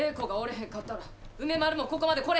へんかったら梅丸もここまで来れ